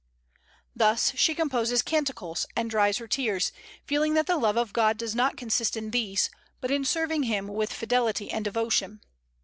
Thus she composes canticles and dries her tears, feeling that the love of God does not consist in these, but in serving Him with fidelity and devotion.